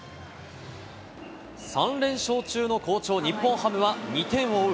３連勝中の好調日本ハムは、２点を追う